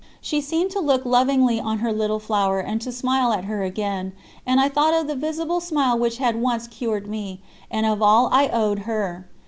She seemed to look lovingly on her Little Flower and to smile at her again, and I thought of the visible smile which had once cured me, and of all I owed her.